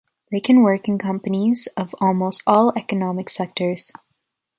They can work in companies of almost all economic sectors.